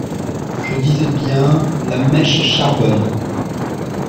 Je disais bien… la mèche charbonne.